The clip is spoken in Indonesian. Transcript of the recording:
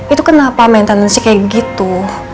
itu kenapa main tendensi kayak gitu